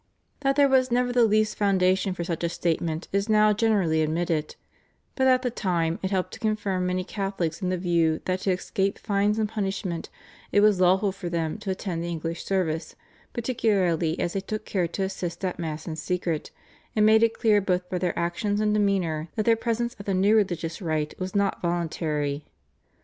That there was never the least foundation for such a statement is now generally admitted, but at the time it helped to confirm many Catholics in the view that to escape fines and punishment it was lawful for them to attend the English service, particularly as they took care to assist at Mass in secret and made it clear both by their actions and demeanour that their presence at the new religious rite was not voluntary.